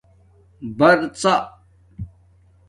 برڎا